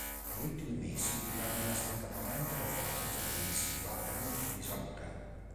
Negli ultimi mesi diradò inaspettatamente la sua presenza televisiva per motivi di salute.